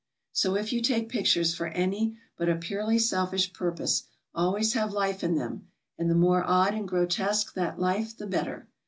So if you take pictures for any but a purely selfish purpose, always have life in them, and the more odd and grotesque that life, Ihe better.